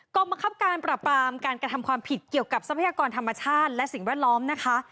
กรรมบังคับการปราบปรามการกระทำความผิดเกี่ยวกับทรัพยากรธรรมชาติและสิ่งแวดล้อมนะคะ